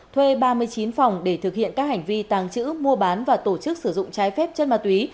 thuê ba mươi chín phòng để thực hiện các hành vi tàng trữ mua bán và tổ chức sử dụng trái phép chân ma túy